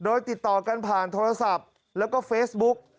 โดยติดต่อกันผ่านโทรศัพท์แล้วก็เฟซบุ๊ก